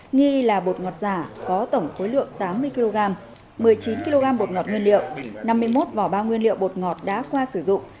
nghi là bột ngọt giả có tổng khối lượng tám mươi kg một mươi chín kg bột ngọt nguyên liệu năm mươi một vỏ bao nguyên liệu bột ngọt đã qua sử dụng